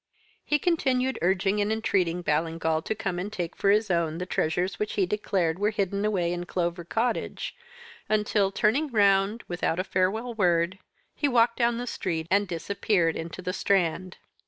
"He continued urging and entreating Ballingall to come and take for his own the treasures which he declared were hidden away in Clover Cottage, until, turning round, without a farewell word, he walked down the street and disappeared into the Strand.